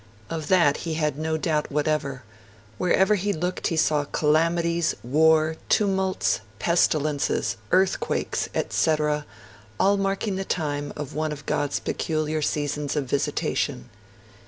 Of that he had no doubt whatever; wherever he looked he saw 'calamities, wars, tumults, pestilences, earthquakes, etc., all marking the time of one of God's peculiar seasons of visitation'.